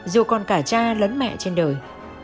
dù còn cả cha lấn mẹ trên đời